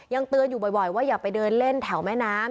ยังเตือนอยู่บ่อยว่าอย่าไปเดินเล่นแถวแม่น้ำ